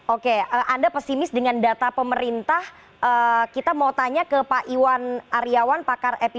oke anda pesimis dengan data pemerintah kita mau tanya ke pak iwan aryawan pakar epidemi